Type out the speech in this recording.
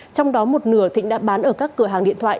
trong đó một nửa thịnh đã bán ở các cửa hàng điện thoại